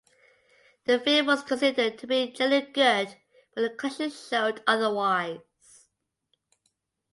The film was considered to be generally good but the collection showed otherwise.